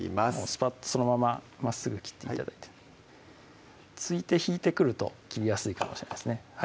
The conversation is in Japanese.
スパッとそのまままっすぐ切って頂いて突いて引いてくると切りやすいかもしれないですね